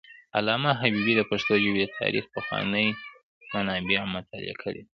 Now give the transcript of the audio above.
علامه حبیبي د پښتو ژبې د تاریخ پخواني منابع مطالعه کړي دي.